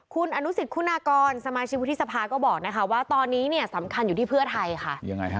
คุณอนุสิตคุณากรสมาชิกวุฒิสภาก็บอกนะคะว่าตอนนี้เนี่ยสำคัญอยู่ที่เพื่อไทยค่ะยังไงฮะ